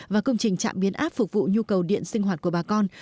và công trình trạm biến áp phục vụ nhu cầu điện sinh hoạt của bà con